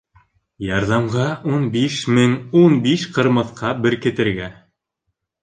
Ярҙамға ун биш мең ун биш ҡырмыҫҡа беркетергә.